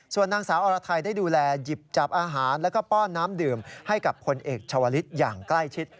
ส่วนนางสาวอรไทยได้ดูแลหยิบจับอาหารแล้วก็ป้อนน้ำดื่มให้กับพลเอกชาวลิศอย่างใกล้ชิด